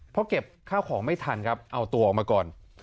เพราะเก็บข้าวของไม่ทันครับเอาตัวออกมาก่อน